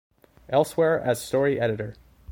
Elsewhere as story editor.